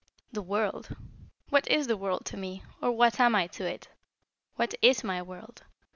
"The world? What is the world to me, or what am I to it? What is my world?